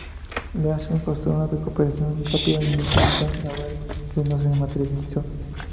Leeson apostó a una recuperación rápida del "Nikkei Stock Average" que no se materializó.